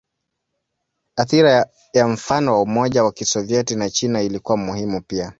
Athira ya mfano wa Umoja wa Kisovyeti na China ilikuwa muhimu pia.